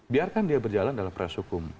biarkan dia berjalan dalam proses hukum